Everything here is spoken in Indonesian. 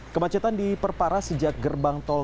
kemacetan diperparah sejak gerbang tol